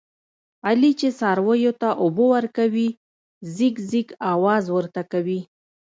علي چې څارویو ته اوبه ورکوي، ځیږ ځیږ اواز ورته کوي.